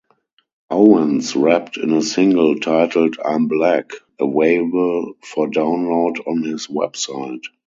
Owens rapped in a single titled "I'm Back", available for download on his website.